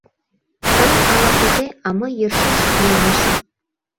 Тый ала-кузе, а мый йӧршеш ярнышым.